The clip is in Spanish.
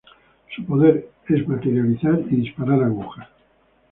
Su poder es materializar y disparar agujas.